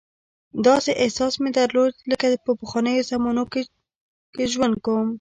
داسې احساس مې درلود لکه په پخوانیو زمانو کې ژوند کوم.